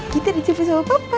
kita di jumpa sama papa